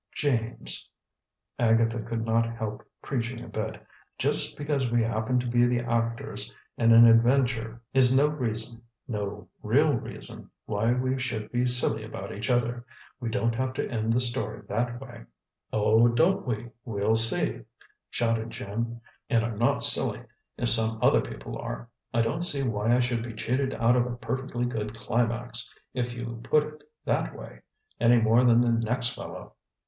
"James," Agatha could not help preaching a bit, "just because we happen to be the actors in an adventure is no reason, no real reason, why we should be silly about each other. We don't have to end the story that way." "Oh, don't we! We'll see!" shouted Jim. "And I'm not silly, if some other people are. I don't see why I should be cheated out of a perfectly good climax, if you put it that way, any more than the next fellow.